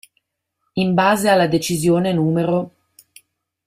In base alla Decisione n.